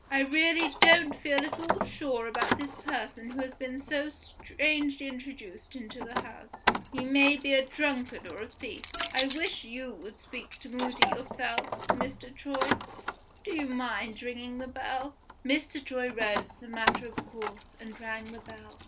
I really don't feel at all sure about this person who has been so strangely introduced into the house he may be a drunkard or a thief. I wish you would speak to Moody yourself, Mr. Troy. Do you mind ringing the bell?" Mr. Troy rose, as a matter of course, and rang the bell.